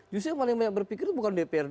justru yang paling banyak berpikir bukan dprd